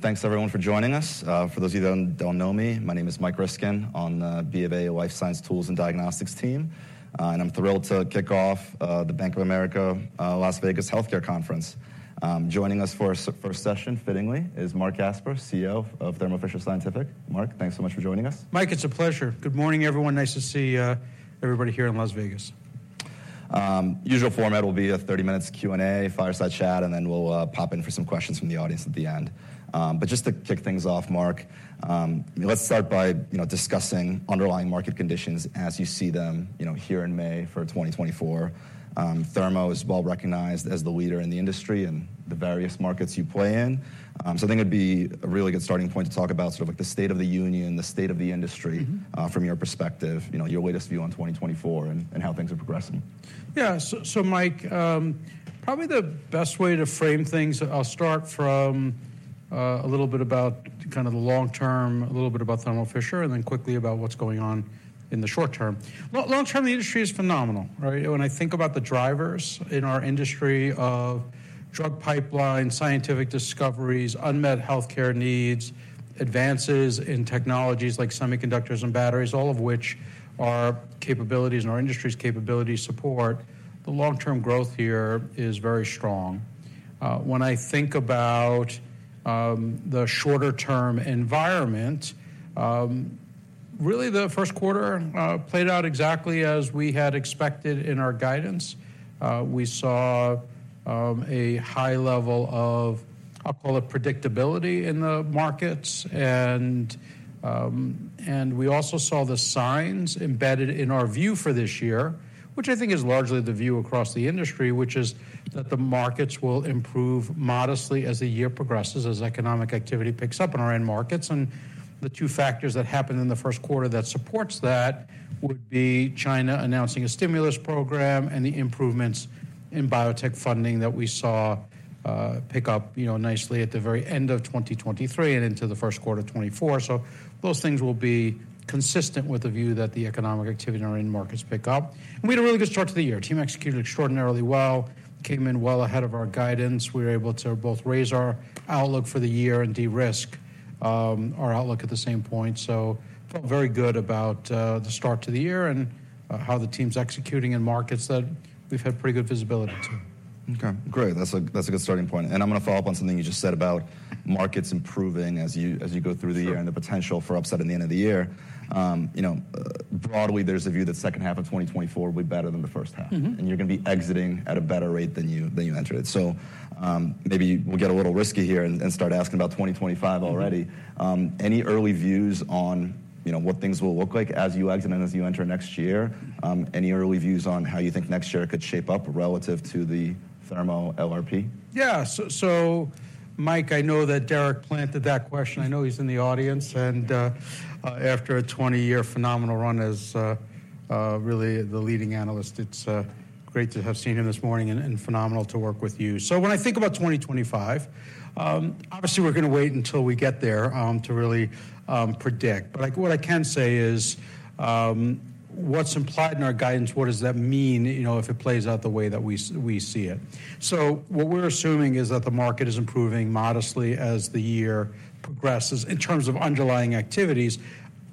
Thanks everyone for joining us. For those of you that don't know me, my name is Michael Ryskin on the B of A Life Science Tools and Diagnostics team, and I'm thrilled to kick off the Bank of America Las Vegas Healthcare Conference. Joining us for our first session, fittingly, is Marc Casper, CEO of Thermo Fisher Scientific. Mark, thanks so much for joining us. Mike, it's a pleasure. Good morning, everyone. Nice to see, everybody here in Las Vegas. Usual format will be a 30-minute Q&A, fireside chat, and then we'll pop in for some questions from the audience at the end. But just to kick things off, Marc, let's start by you know, discussing underlying market conditions as you see them, you know, here in May for 2024. Thermo is well recognized as the leader in the industry and the various markets you play in. So I think it'd be a really good starting point to talk about sort of like, the state of the union, the state of the industry. Mm-hmm. From your perspective, you know, your latest view on 2024 and how things are progressing? Yeah. So, so Mike, probably the best way to frame things, I'll start from, a little bit about kind of the long term, a little bit about Thermo Fisher, and then quickly about what's going on in the short term. Long term, the industry is phenomenal, right? When I think about the drivers in our industry of drug pipelines, scientific discoveries, unmet healthcare needs, advances in technologies like semiconductors and batteries, all of which are capabilities and our industry's capability support, the long-term growth here is very strong. When I think about, the shorter-term environment, really the first quarter, played out exactly as we had expected in our guidance. We saw a high level of, I'll call it, predictability in the markets, and we also saw the signs embedded in our view for this year, which I think is largely the view across the industry, which is that the markets will improve modestly as the year progresses, as economic activity picks up in our end markets. And the two factors that happened in the first quarter that supports that would be China announcing a stimulus program and the improvements in biotech funding that we saw pick up, you know, nicely at the very end of 2023 and into the first quarter of 2024. So those things will be consistent with the view that the economic activity in our end markets pick up. And we had a really good start to the year. Team executed extraordinarily well. Came in well ahead of our guidance. We were able to both raise our outlook for the year and de-risk our outlook at the same point. So felt very good about the start to the year and how the team's executing in markets that we've had pretty good visibility to. Okay. Great. That's a good starting point. And I'm gonna follow up on something you just said about markets improving as you go through the year. Mm-hmm. The potential for upset at the end of the year. You know, broadly, there's a view that second half of 2024 will be better than the first half. Mm-hmm. You're gonna be exiting at a better rate than you than you entered it. So, maybe we'll get a little risky here and, and start asking about 2025 already. Any early views on, you know, what things will look like as you exit and as you enter next year? Any early views on how you think next year could shape up relative to the Thermo LRP? Yeah. So, Mike, I know that Derik planted that question. I know he's in the audience and, after a 20-year phenomenal run as really the leading analyst, it's great to have seen him this morning and phenomenal to work with you. So when I think about 2025, obviously we're gonna wait until we get there to really predict. But what I can say is, what's implied in our guidance, what does that mean, you know, if it plays out the way that we see it? So what we're assuming is that the market is improving modestly as the year progresses. In terms of underlying activities,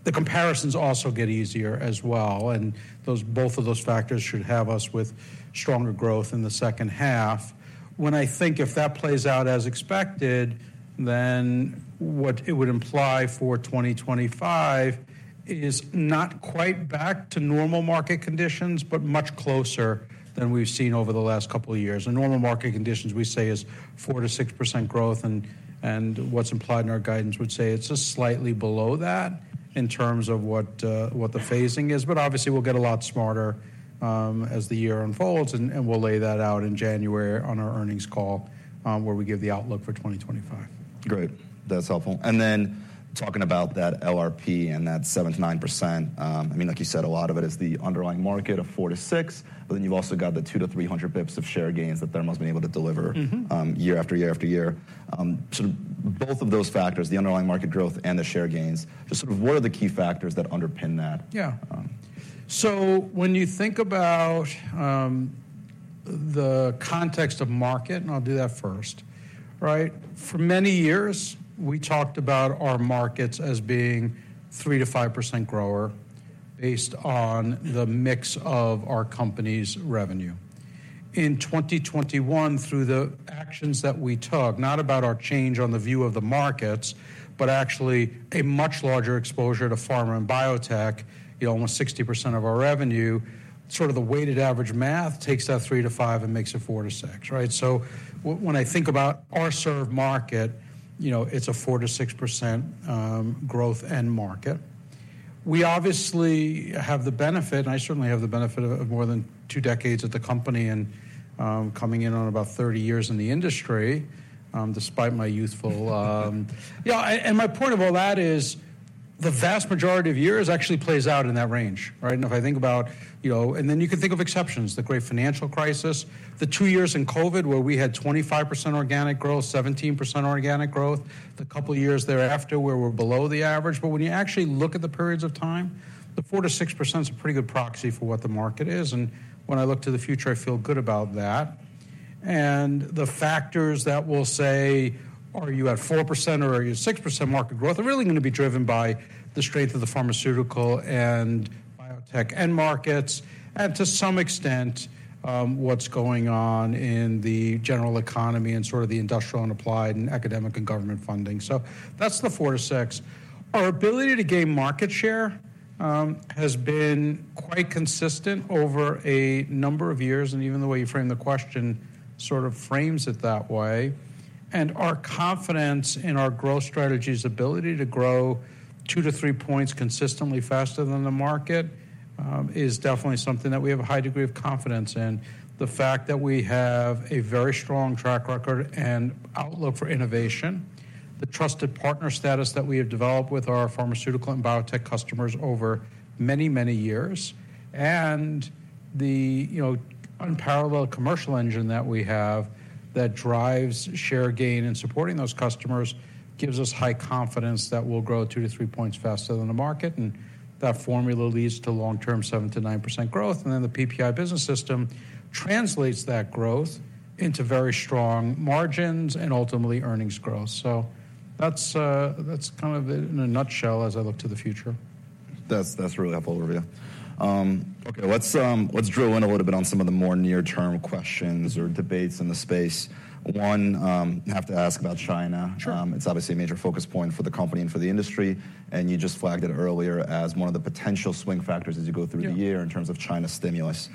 the comparisons also get easier as well. And those both of those factors should have us with stronger growth in the second half. When I think if that plays out as expected, then what it would imply for 2025 is not quite back to normal market conditions, but much closer than we've seen over the last couple of years. In normal market conditions, we say it's 4%-6% growth, and, and what's implied in our guidance would say it's just slightly below that in terms of what, what the phasing is. But obviously we'll get a lot smarter, as the year unfolds, and, and we'll lay that out in January on our earnings call, where we give the outlook for 2025. Great. That's helpful. And then talking about that LRP and that 7%-9%, I mean, like you said, a lot of it is the underlying market of 4%-6%, but then you've also got the 200-300 bips of share gains that Thermo's been able to deliver. Mm-hmm. Year after year after year. Sort of both of those factors, the underlying market growth and the share gains, just sort of what are the key factors that underpin that? Yeah. So when you think about the context of market, and I'll do that first, right? For many years, we talked about our markets as being 3%-5% grower based on the mix of our company's revenue. In 2021, through the actions that we took, not about our change on the view of the markets, but actually a much larger exposure to pharma and biotech, you know, almost 60% of our revenue, sort of the weighted average math takes that 3%-5% and makes it 4%-6%, right? So when I think about our served market, you know, it's a 4%-6% growth end market. We obviously have the benefit, and I certainly have the benefit of more than two decades at the company and coming in on about 30 years in the industry, despite my youthful. Yeah. And my point of all that is the vast majority of years actually plays out in that range, right? And if I think about, you know and then you can think of exceptions, the Great Financial Crisis, the two years in COVID where we had 25% organic growth, 17% organic growth, the couple of years thereafter where we're below the average. But when you actually look at the periods of time, the 4%-6% is a pretty good proxy for what the market is. And when I look to the future, I feel good about that. The factors that will say, "Are you at 4% or are you at 6% market growth?" are really gonna be driven by the strength of the pharmaceutical and biotech end markets and to some extent, what's going on in the general economy and sort of the industrial and applied and academic and government funding. So that's the 4%-6%. Our ability to gain market share, has been quite consistent over a number of years, and even the way you frame the question sort of frames it that way. Our confidence in our growth strategy's ability to grow 2-3 points consistently faster than the market, is definitely something that we have a high degree of confidence in. The fact that we have a very strong track record and outlook for innovation, the trusted partner status that we have developed with our pharmaceutical and biotech customers over many, many years, and the, you know, unparalleled commercial engine that we have that drives share gain in supporting those customers gives us high confidence that we'll grow 2-3 points faster than the market. That formula leads to long-term 7%-9% growth. Then the PPI Business System translates that growth into very strong margins and ultimately earnings growth. So that's, that's kind of it in a nutshell as I look to the future. That's a really helpful overview. Okay. Let's drill in a little bit on some of the more near-term questions or debates in the space. One, have to ask about China. Sure. It's obviously a major focus point for the company and for the industry, and you just flagged it earlier as one of the potential swing factors as you go through the year. Mm-hmm. In terms of China stimulus.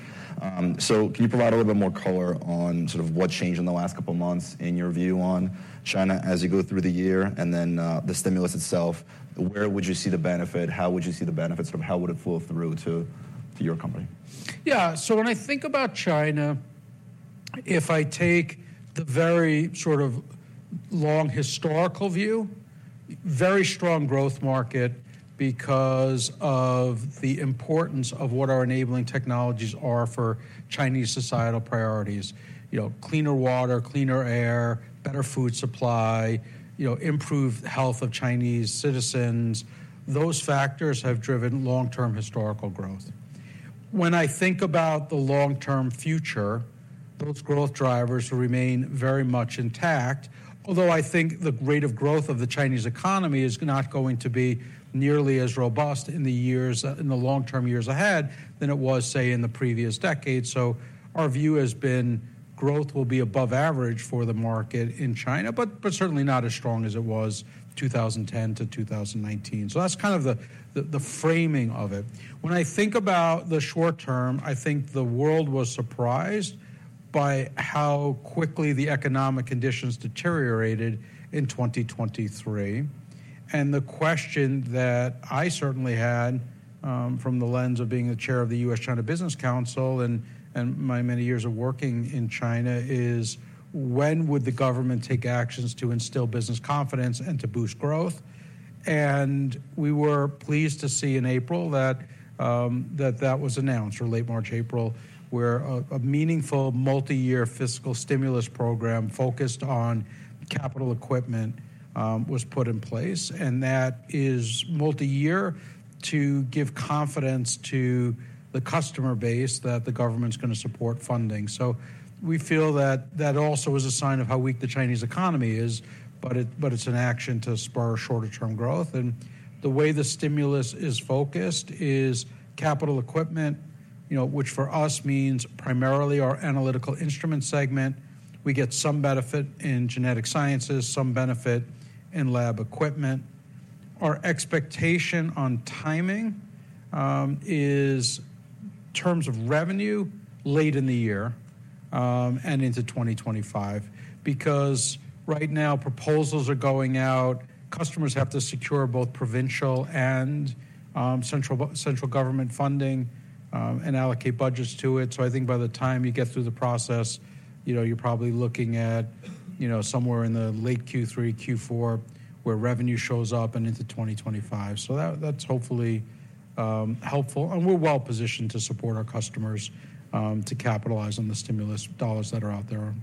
So can you provide a little bit more color on sort of what changed in the last couple of months in your view on China as you go through the year and then the stimulus itself? Where would you see the benefit? How would you see the benefit? Sort of how would it flow through to, to your company? Yeah. So when I think about China, if I take the very sort of long historical view, very strong growth market because of the importance of what our enabling technologies are for Chinese societal priorities, you know, cleaner water, cleaner air, better food supply, you know, improved health of Chinese citizens, those factors have driven long-term historical growth. When I think about the long-term future, those growth drivers remain very much intact, although I think the rate of growth of the Chinese economy is not going to be nearly as robust in the years in the long-term years ahead than it was, say, in the previous decades. So our view has been growth will be above average for the market in China, but certainly not as strong as it was 2010 to 2019. So that's kind of the framing of it. When I think about the short term, I think the world was surprised by how quickly the economic conditions deteriorated in 2023. And the question that I certainly had, from the lens of being the chair of the US-China Business Council and my many years of working in China is, when would the government take actions to instill business confidence and to boost growth? And we were pleased to see in April that that was announced or late March, April, where a meaningful multi-year fiscal stimulus program focused on capital equipment, was put in place. And that is multi-year to give confidence to the customer base that the government's gonna support funding. So we feel that that also is a sign of how weak the Chinese economy is, but it's an action to spur shorter-term growth. The way the stimulus is focused is capital equipment, you know, which for us means primarily our analytical instrument segment. We get some benefit in genetic sciences, some benefit in lab equipment. Our expectation on timing is in terms of revenue late in the year, and into 2025 because right now proposals are going out. Customers have to secure both provincial and central government funding, and allocate budgets to it. So I think by the time you get through the process, you know, you're probably looking at, you know, somewhere in the late Q3, Q4 where revenue shows up and into 2025. So that's hopefully helpful. And we're well positioned to support our customers, to capitalize on the stimulus dollars that are out there.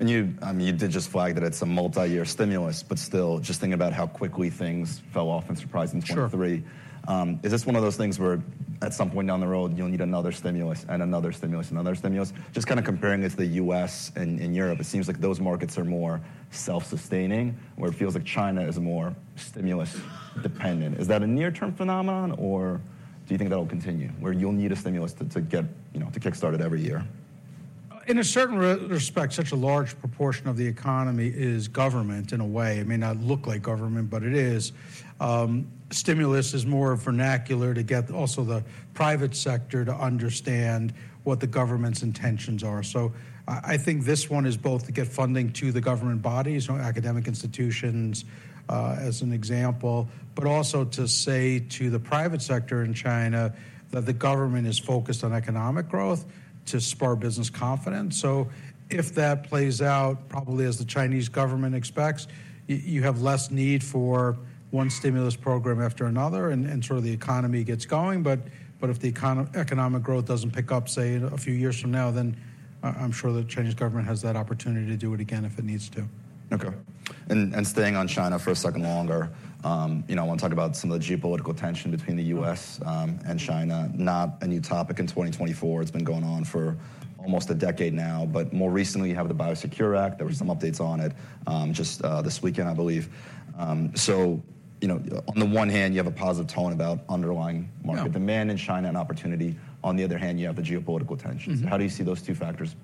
And you, I mean, you did just flag that it's a multi-year stimulus, but still just thinking about how quickly things fell off and surprised in 2023. Sure. Is this one of those things where at some point down the road, you'll need another stimulus and another stimulus and another stimulus? Just kinda comparing it to the U.S. and, and Europe, it seems like those markets are more self-sustaining where it feels like China is more stimulus-dependent. Is that a near-term phenomenon, or do you think that'll continue where you'll need a stimulus to, to get, you know, to kick-start it every year? In a certain respect, such a large proportion of the economy is government in a way. It may not look like government, but it is. Stimulus is more vernacular to get also the private sector to understand what the government's intentions are. So I think this one is both to get funding to the government bodies, you know, academic institutions, as an example, but also to say to the private sector in China that the government is focused on economic growth to spur business confidence. So if that plays out probably as the Chinese government expects, you have less need for one stimulus program after another and sort of the economy gets going. But if the economic growth doesn't pick up, say, in a few years from now, then I'm sure the Chinese government has that opportunity to do it again if it needs to. Okay. And staying on China for a second longer, you know, I wanna talk about some of the geopolitical tension between the U.S. and China. Not a new topic in 2024. It's been going on for almost a decade now. But more recently, you have the BIOSECURE Act. There were some updates on it, just this weekend, I believe. So, you know, on the one hand, you have a positive tone about underlying market demand. Mm-hmm. In China, an opportunity. On the other hand, you have the geopolitical tensions. Mm-hmm. How do you see those two factors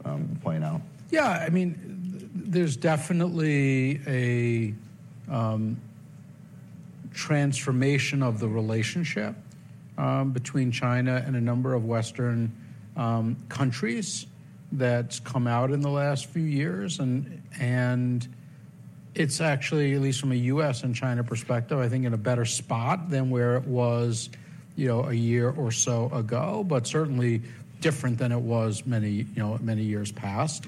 playing out? Yeah. I mean, there's definitely a transformation of the relationship between China and a number of Western countries that's come out in the last few years. And it's actually, at least from a U.S. and China perspective, I think in a better spot than where it was, you know, a year or so ago, but certainly different than it was many, you know, many years past.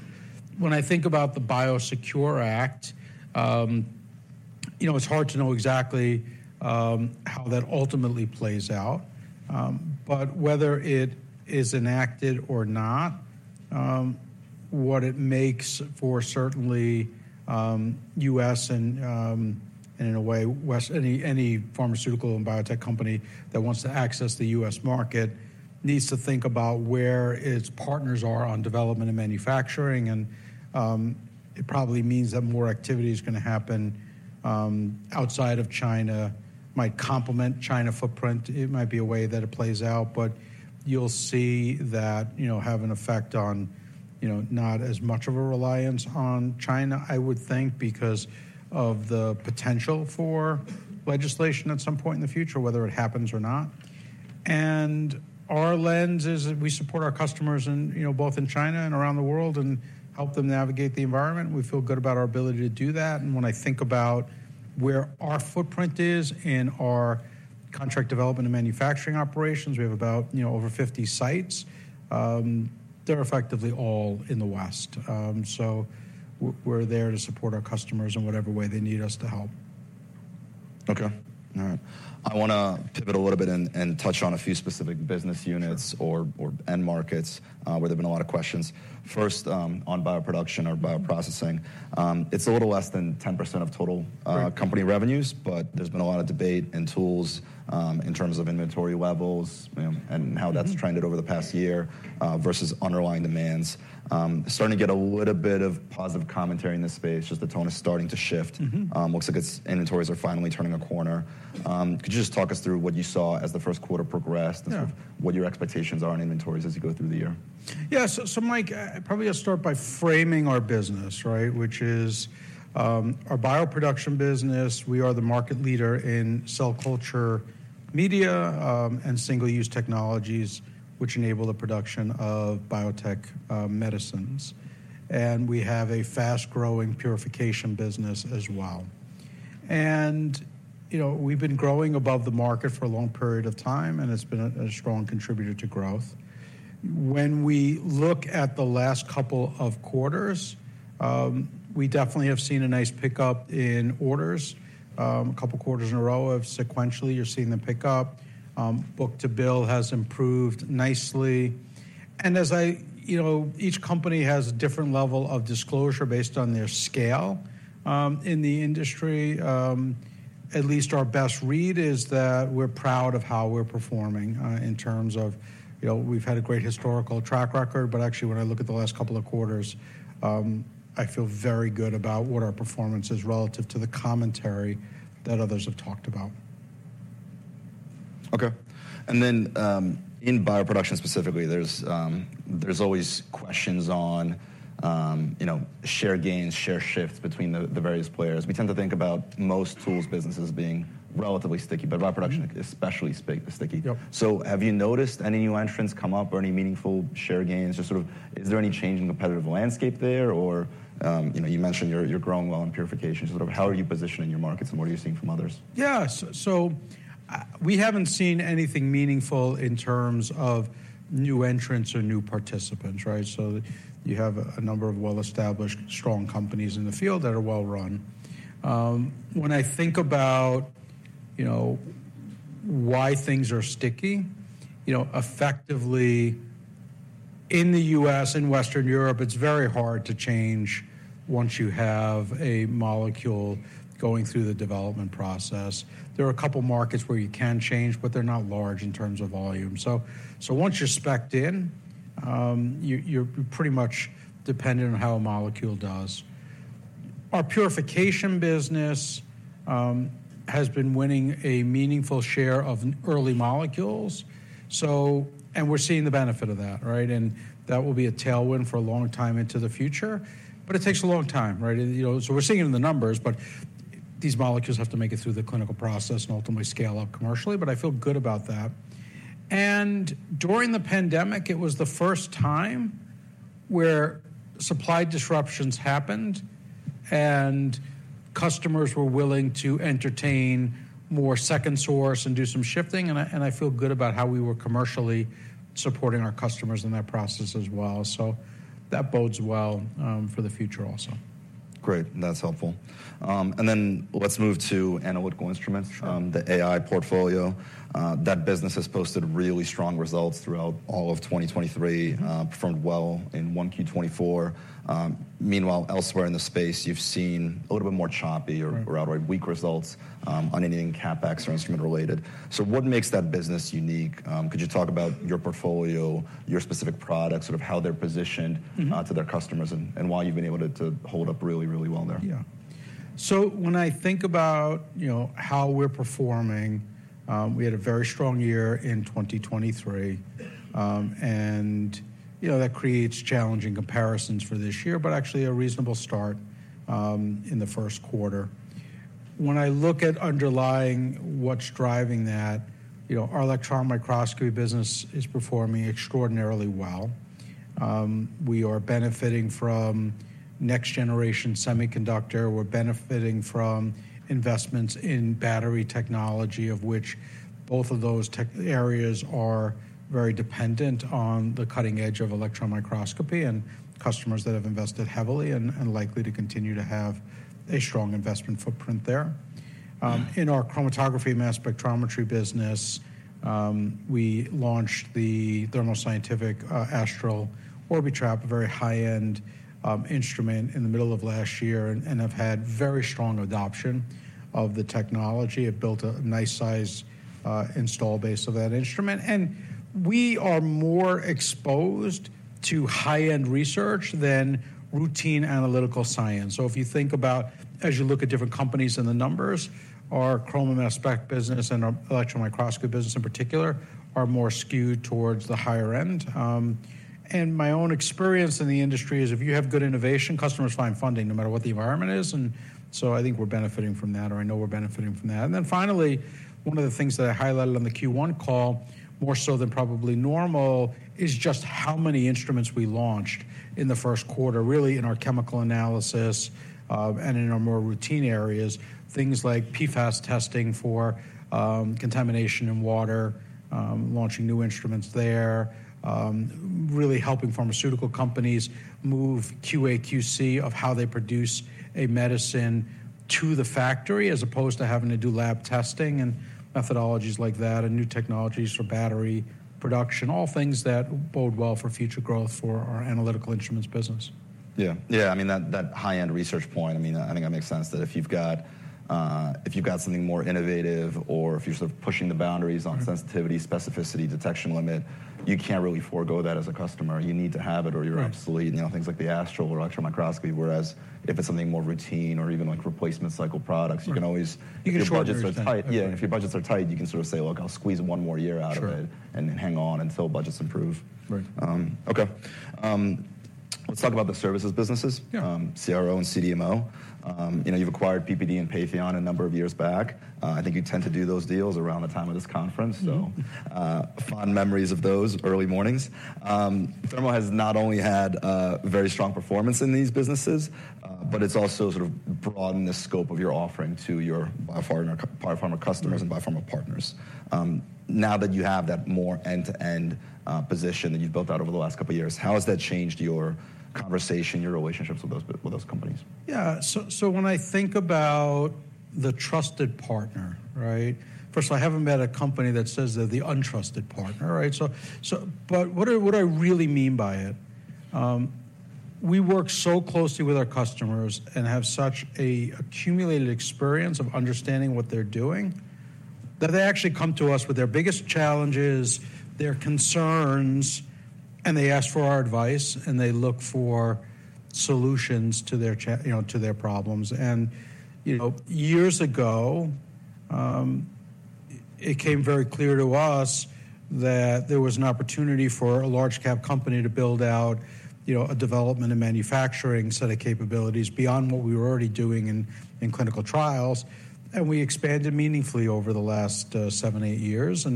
When I think about the BIOSECURE Act, you know, it's hard to know exactly how that ultimately plays out. But whether it is enacted or not, what it makes for certainly U.S. and, in a way, Western, any pharmaceutical and biotech company that wants to access the U.S. market needs to think about where its partners are on development and manufacturing. And it probably means that more activity is gonna happen outside of China, might complement China footprint. It might be a way that it plays out. But you'll see that, you know, have an effect on, you know, not as much of a reliance on China, I would think, because of the potential for legislation at some point in the future, whether it happens or not. And our lens is that we support our customers in, you know, both in China and around the world and help them navigate the environment. We feel good about our ability to do that. And when I think about where our footprint is in our contract development and manufacturing operations, we have about, you know, over 50 sites. They're effectively all in the West. So we're, we're there to support our customers in whatever way they need us to help. Okay. All right. I wanna pivot a little bit and, and touch on a few specific business units or, or end markets, where there've been a lot of questions. First, on bioproduction or bioprocessing. It's a little less than 10% of total company revenues, but there's been a lot of debate and tools, in terms of inventory levels, you know, and how that's trended over the past year, versus underlying demands. Starting to get a little bit of positive commentary in this space. Just the tone is starting to shift. Mm-hmm. Looks like its inventories are finally turning a corner. Could you just talk us through what you saw as the first quarter progressed and sort of what your expectations are on inventories as you go through the year? Yeah. So, so Mike, I probably'll start by framing our business, right, which is our bioproduction business. We are the market leader in cell culture media and single-use technologies, which enable the production of biotech medicines. And we have a fast-growing purification business as well. And, you know, we've been growing above the market for a long period of time, and it's been a strong contributor to growth. When we look at the last couple of quarters, we definitely have seen a nice pickup in orders, a couple quarters in a row of sequentially you're seeing the pickup. Book-to-bill has improved nicely. And as I, you know, each company has a different level of disclosure based on their scale in the industry. At least our best read is that we're proud of how we're performing, in terms of, you know, we've had a great historical track record. But actually, when I look at the last couple of quarters, I feel very good about what our performance is relative to the commentary that others have talked about. Okay. And then, in bioproduction specifically, there's always questions on, you know, share gains, share shifts between the various players. We tend to think about most tools businesses being relatively sticky, but bioproduction is especially sticky. Yep. So have you noticed any new entrants come up or any meaningful share gains? Or sort of is there any change in competitive landscape there, or, you know, you mentioned you're growing well in purification. So sort of how are you positioning your markets, and what are you seeing from others? Yeah. So, so I, we haven't seen anything meaningful in terms of new entrants or new participants, right? So you have a, a number of well-established, strong companies in the field that are well-run. When I think about, you know, why things are sticky, you know, effectively in the U.S., in Western Europe, it's very hard to change once you have a molecule going through the development process. There are a couple markets where you can change, but they're not large in terms of volume. So, so once you're specked in, you-you're pretty much dependent on how a molecule does. Our purification business has been winning a meaningful share of early molecules. So and we're seeing the benefit of that, right? And that will be a tailwind for a long time into the future. But it takes a long time, right? You know, so we're seeing it in the numbers, but these molecules have to make it through the clinical process and ultimately scale up commercially. But I feel good about that. And during the pandemic, it was the first time where supply disruptions happened, and customers were willing to entertain more second source and do some shifting. And I feel good about how we were commercially supporting our customers in that process as well. So that bodes well for the future also. Great. That's helpful. And then let's move to analytical instruments. Sure. The AI portfolio. That business has posted really strong results throughout all of 2023, performed well in 1Q2024. Meanwhile, elsewhere in the space, you've seen a little bit more choppy or, or outright weak results, on anything CapEx or instrument-related. So what makes that business unique? Could you talk about your portfolio, your specific products, sort of how they're positioned. Mm-hmm. to their customers and why you've been able to hold up really, really well there? Yeah. So when I think about, you know, how we're performing, we had a very strong year in 2023. And, you know, that creates challenging comparisons for this year, but actually a reasonable start, in the first quarter. When I look at underlying what's driving that, you know, our electron microscopy business is performing extraordinarily well. We are benefiting from next-generation semiconductor. We're benefiting from investments in battery technology, of which both of those tech areas are very dependent on the cutting edge of electron microscopy and customers that have invested heavily and likely to continue to have a strong investment footprint there. In our chromatography mass spectrometry business, we launched the Thermo Scientific Orbitrap Astral, a very high-end, instrument in the middle of last year and have had very strong adoption of the technology. Have built a nice-sized, installed base of that instrument. We are more exposed to high-end research than routine analytical science. So if you think about as you look at different companies and the numbers, our chrom mass spec business and our electron microscopy business in particular are more skewed towards the higher end. And my own experience in the industry is if you have good innovation, customers find funding no matter what the environment is. And so I think we're benefiting from that, or I know we're benefiting from that. Then finally, one of the things that I highlighted on the Q1 call more so than probably normal is just how many instruments we launched in the first quarter, really in our chemical analysis, and in our more routine areas, things like PFAS testing for contamination in water, launching new instruments there, really helping pharmaceutical companies move QA/QC of how they produce a medicine to the factory as opposed to having to do lab testing and methodologies like that and new technologies for battery production, all things that bode well for future growth for our analytical instruments business. Yeah. Yeah. I mean, that high-end research point, I mean, I think that makes sense that if you've got something more innovative or if you're sort of pushing the boundaries on sensitivity, specificity, detection limit, you can't really forego that as a customer. You need to have it or you're obsolete, you know, things like the Astral or electron microscopy. Whereas if it's something more routine or even, like, replacement cycle products, you can always. You can show up. If your budgets are tight, yeah. And if your budgets are tight, you can sort of say, "Look, I'll squeeze one more year out of it. Sure. Hang on until budgets improve. Right. Okay. Let's talk about the services businesses. Yeah. CRO and CDMO. You know, you've acquired PPD and Patheon a number of years back. I think you tend to do those deals around the time of this conference, so. Mm-hmm. Fond memories of those early mornings. Thermo has not only had very strong performance in these businesses, but it's also sort of broadened the scope of your offering to your biopharma customers and biopharma partners. Now that you have that more end-to-end position that you've built out over the last couple years, how has that changed your conversation, your relationships with those companies? Yeah. So, so when I think about the trusted partner, right, first of all, I haven't met a company that says they're the untrusted partner, right? So, so but what I what I really mean by it, we work so closely with our customers and have such a accumulated experience of understanding what they're doing that they actually come to us with their biggest challenges, their concerns, and they ask for our advice, and they look for solutions to their you know, to their problems. And, you know, years ago, it came very clear to us that there was an opportunity for a large-cap company to build out, you know, a development and manufacturing set of capabilities beyond what we were already doing in clinical trials. And we expanded meaningfully over the last 7 years, 8 years.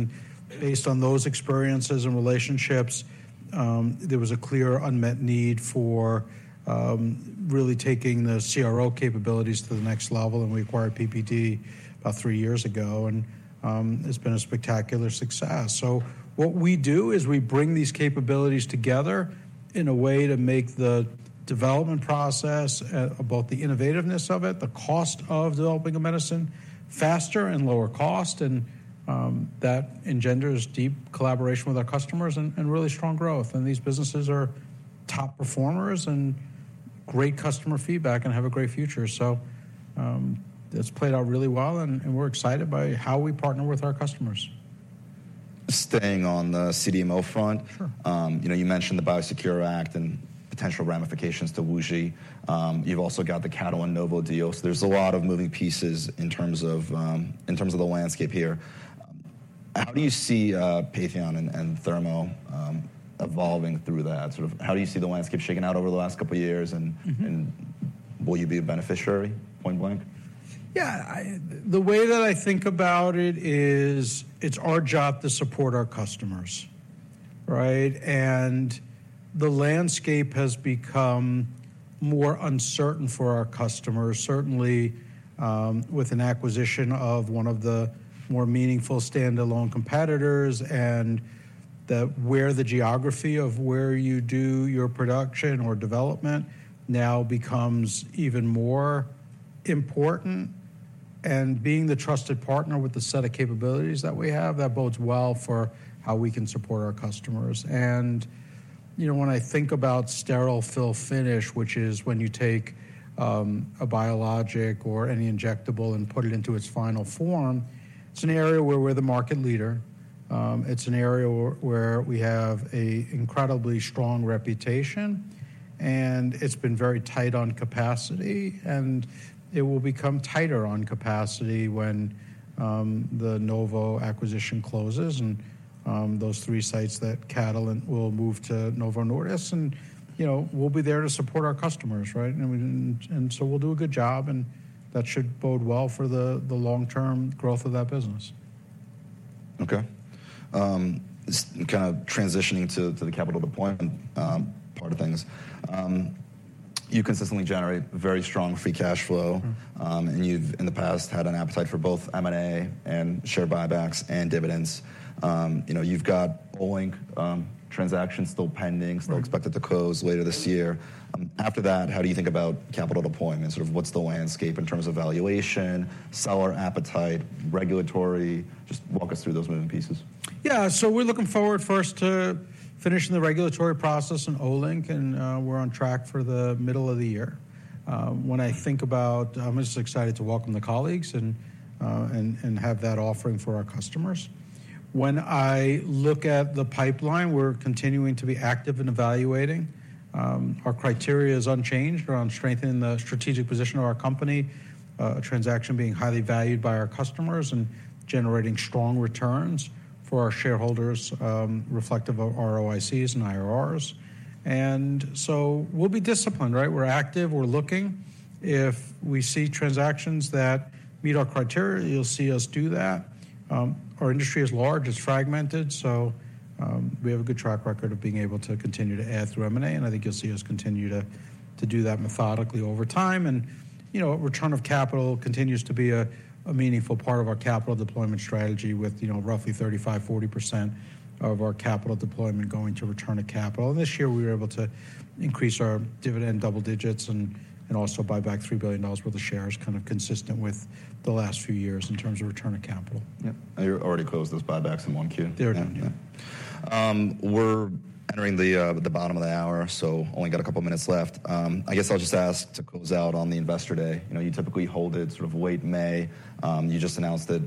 Based on those experiences and relationships, there was a clear unmet need for really taking the CRO capabilities to the next level. We acquired PPD about 3 years ago. It's been a spectacular success. So what we do is we bring these capabilities together in a way to make the development process, both the innovativeness of it, the cost of developing a medicine, faster and lower cost. That engenders deep collaboration with our customers and really strong growth. These businesses are top performers and great customer feedback and have a great future. It's played out really well. We're excited by how we partner with our customers. Staying on the CDMO front. Sure. You know, you mentioned the BIOSECURE Act and potential ramifications to WuXi. You've also got the Catalent and Novo deal. So there's a lot of moving pieces in terms of, in terms of the landscape here. How do you see Patheon and Thermo evolving through that? Sort of how do you see the landscape shaken out over the last couple years and will you be a beneficiary, point blank? Yeah. In the way that I think about it is it's our job to support our customers, right? And the landscape has become more uncertain for our customers, certainly, with an acquisition of one of the more meaningful standalone competitors. And that's where the geography of where you do your production or development now becomes even more important. And being the trusted partner with the set of capabilities that we have, that bodes well for how we can support our customers. And, you know, when I think about sterile fill-finish, which is when you take a biologic or any injectable and put it into its final form, it's an area where we're the market leader. It's an area where we have an incredibly strong reputation. And it's been very tight on capacity. And it will become tighter on capacity when the Novo acquisition closes and those three sites that Catalent will move to Novo Nordisk. And, you know, we'll be there to support our customers, right? And we, and so we'll do a good job. And that should bode well for the long-term growth of that business. Okay. It's kind of transitioning to the capital deployment part of things. You consistently generate very strong free cash flow. Mm-hmm. And you've in the past had an appetite for both M&A and share buybacks and dividends. You know, you've got Olink, transaction still pending. Mm-hmm. Still expected to close later this year. After that, how do you think about capital deployment? Sort of what's the landscape in terms of valuation, seller appetite, regulatory? Just walk us through those moving pieces. Yeah. So we're looking forward first to finishing the regulatory process in Olink. And we're on track for the middle of the year. When I think about, I'm just excited to welcome the colleagues and have that offering for our customers. When I look at the pipeline, we're continuing to be active in evaluating. Our criteria is unchanged. We're on strengthening the strategic position of our company, a transaction being highly valued by our customers and generating strong returns for our shareholders, reflective of ROICs and IRRs. And so we'll be disciplined, right? We're active. We're looking. If we see transactions that meet our criteria, you'll see us do that. Our industry is large. It's fragmented. So we have a good track record of being able to continue to add through M&A. And I think you'll see us continue to do that methodically over time. You know, return of capital continues to be a meaningful part of our capital deployment strategy with, you know, roughly 35%-40% of our capital deployment going to return of capital. And this year, we were able to increase our dividend double digits and also buy back $3 billion worth of shares, kind of consistent with the last few years in terms of return of capital. Yep. And you already closed those buybacks in 1Q. They're done. Yeah. We're entering the bottom of the hour, so only got a couple minutes left. I guess I'll just ask to close out on the investor day. You know, you typically hold it sort of late May. You just announced that,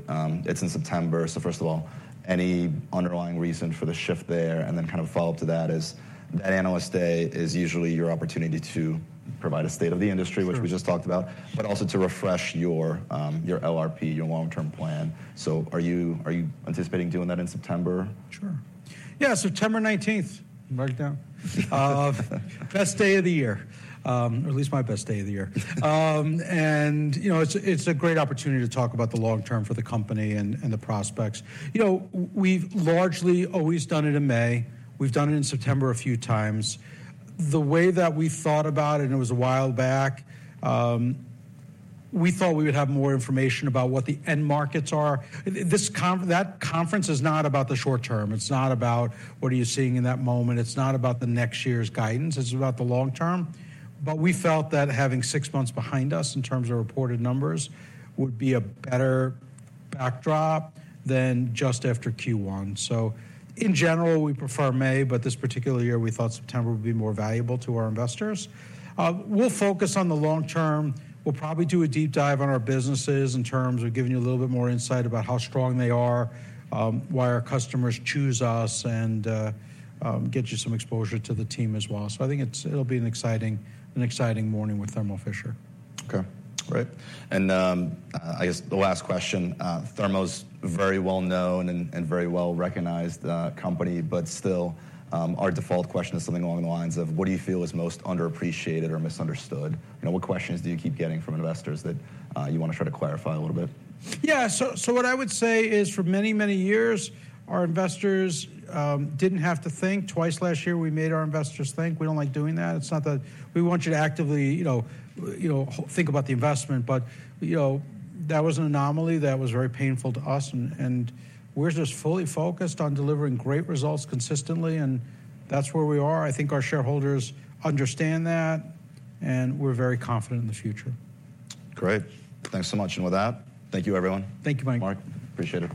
it's in September. So first of all, any underlying reason for the shift there? And then kind of follow up to that is that analyst day is usually your opportunity to provide a state of the industry. Sure. Which we just talked about, but also to refresh your, your LRP, your long-term plan. So are you are you anticipating doing that in September? Sure. Yeah. September 19th. Mark it down. Best day of the year, or at least my best day of the year. And, you know, it's a great opportunity to talk about the long term for the company and the prospects. You know, we've largely always done it in May. We've done it in September a few times. The way that we thought about it, and it was a while back, we thought we would have more information about what the end markets are. This conference is not about the short term. It's not about what are you seeing in that moment. It's not about the next year's guidance. It's about the long term. But we felt that having six months behind us in terms of reported numbers would be a better backdrop than just after Q1. So in general, we prefer May. But this particular year, we thought September would be more valuable to our investors. We'll focus on the long term. We'll probably do a deep dive on our businesses in terms of giving you a little bit more insight about how strong they are, why our customers choose us, and, get you some exposure to the team as well. So I think it's, it'll be an exciting an exciting morning with Thermo Fisher. Okay. Great. And, I guess the last question. Thermo's very well-known and very well-recognized company. But still, our default question is something along the lines of, what do you feel is most underappreciated or misunderstood? You know, what questions do you keep getting from investors that you wanna try to clarify a little bit? Yeah. So, so what I would say is for many, many years, our investors didn't have to think twice. Last year, we made our investors think. We don't like doing that. It's not that we want you to actively, you know, you know, think about the investment. But, you know, that was an anomaly that was very painful to us. And we're just fully focused on delivering great results consistently. And that's where we are. I think our shareholders understand that. And we're very confident in the future. Great. Thanks so much. With that, thank you, everyone. Thank you, Mike. Mark, appreciate it.